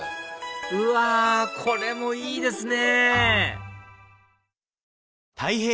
うわこれもいいですね！